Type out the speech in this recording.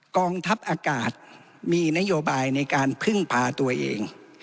กองทัพอากาศมีนโยบายในการพึ่งพาตัวเอง